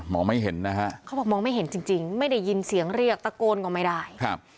ไม่เห็นนะฮะเขาบอกมองไม่เห็นจริงจริงไม่ได้ยินเสียงเรียกตะโกนก็ไม่ได้ครับ